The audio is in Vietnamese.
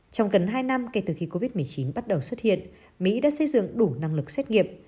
trong gần hai năm kể từ khi covid một mươi chín bắt đầu xuất hiện mỹ đã xây dựng đủ năng lực xét nghiệm